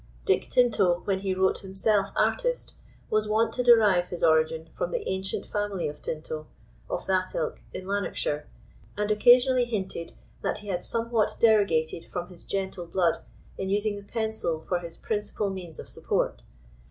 Dick Tinto, when he wrote himself artist, was wont to derive his origin from the ancient family of Tinto, of that ilk, in Lanarkshire, and occasionally hinted that he had somewhat derogated from his gentle blood in using the pencil for his principal means of support.